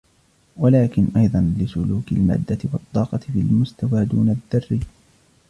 ولكن أيضا لسلوك المادة والطاقة في المستوى دون الذرّي